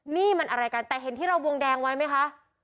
นี่มันอะไรกันแต่เห็นที่เราวงแดงไว้ไหมคะ